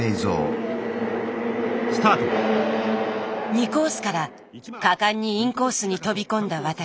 ２コースから果敢にインコースに飛び込んだ私。